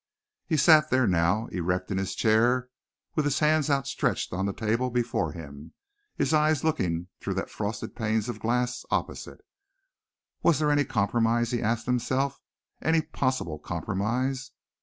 He sat there now, erect in his chair, with his hands stretched out on the table before him, and his eyes looking through the frosted panes of glass opposite. Was there any compromise, he asked himself, any possible compromise?